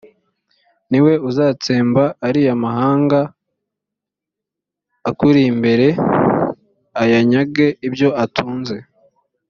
ni we uzatsemba ariya mahanga akuri imbere, ayanyage ibyo atunze.